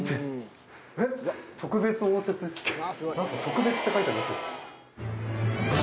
「特別」って書いてありますけど。